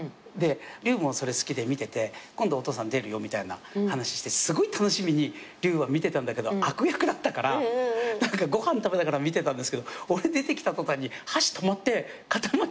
リュウもそれ好きで見てて今度お父さん出るよみたいな話してすごい楽しみにリュウは見てたんだけど悪役だったからご飯食べながら見てたんですけど俺出てきた途端に箸止まって固まっちゃって。